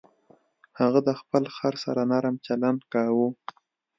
هغه د خپل خر سره نرم چلند کاوه.